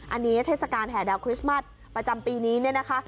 อันนี้เทศกาลแห่ดาวคริสต์มัสประจำปีนี้เนี่ยนะคะ